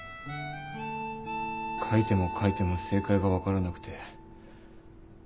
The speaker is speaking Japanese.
書いても書いても正解が分からなくて。